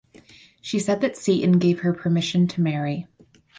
She said that Satan gave her permission to marry.